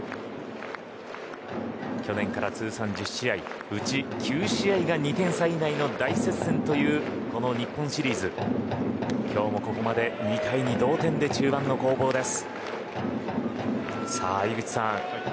去年から通算１０試合うち９試合が２点差以内の大接戦という、この日本シリーズ。今日もここまで２対２同点で中盤の攻防です。